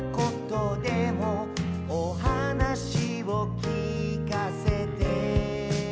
「おはなしをきかせて」